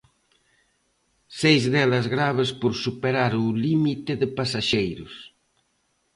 Seis delas graves por superar o límite de pasaxeiros.